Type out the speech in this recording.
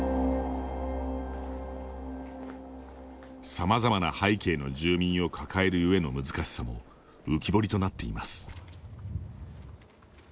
さまざまな背景の住民を抱えるゆえの難しさも浮き彫りとなっています。